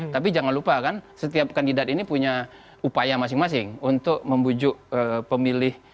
tapi jangan lupa kan setiap kandidat ini punya upaya masing masing untuk membujuk pemilih